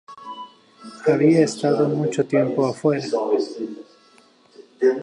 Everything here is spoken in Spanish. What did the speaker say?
Había estado mucho tiempo afuera.